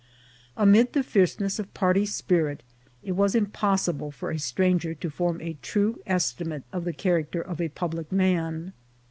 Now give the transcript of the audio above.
Amid the fierceness of party spirit it was impossible for a stranger to form a true estimate of the character of a public man.